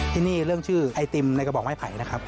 ที่นี่เรื่องชื่อไอติมในกระบอกไม้ไผ่นะครับ